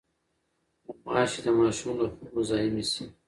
غوماشې د ماشوم د خوب مزاحمې شي.